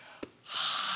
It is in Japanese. はあ。